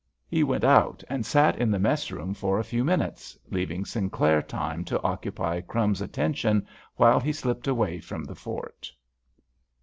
He went out and sat in the mess room for a few minutes, leaving Sinclair time to occupy "Crumbs'" attention while he slipped away from the fort.